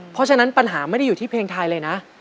เพราะฉะนั้นปัญหาไม่ได้อยู่ที่เพลงไทยเลยนะ